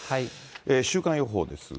週間予報ですが。